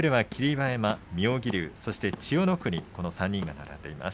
馬山妙義龍そして千代の国この３人が並んでいます。